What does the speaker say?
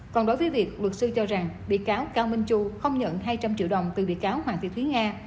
còn đối với việc luật sư cho rằng bị cáo cao minh chu không nhận hai trăm linh triệu đồng từ bị cáo hoàng thị thúy nga